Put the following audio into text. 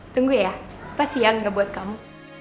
tunggu ya pas ya gak buat kamu